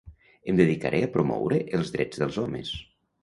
Em dedicaré a promoure els drets dels homes.